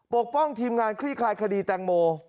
ปกป้องทีมงานคลี่คลายคดีแตงโม